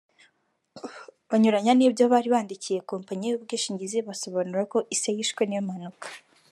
banyuranya n’ibyo bari bandikiye kompanyi y’ubwishingizi basobanura ko ise yishwe n’impanuka